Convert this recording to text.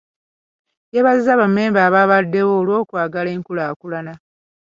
Yeebazizza bammemba abaabaddewo olw'okwagala enkulaakulana.